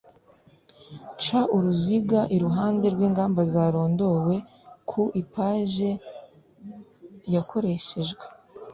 ca uruziga iruhande rw ingamba zarondowe ku ipaje y wakoresheje